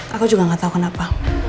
saya juga tidak tahu kenapa